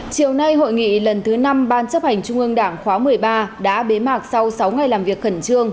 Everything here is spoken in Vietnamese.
chiều nay hội nghị lần thứ năm ban chấp hành trung ương đảng khóa một mươi ba đã bế mạc sau sáu ngày làm việc khẩn trương